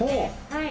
はい。